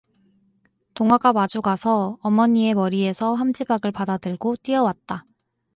동화가 마주 가서 어머니의 머리에서 함지박을 받아 들고 뛰어왔다.